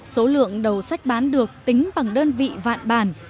số lượng đầu sách bán được tính bằng đơn vị vạn bản